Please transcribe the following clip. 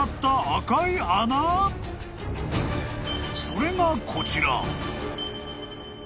［それがこちら］